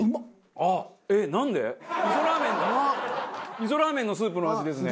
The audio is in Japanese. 味噌ラーメンのスープの味ですね。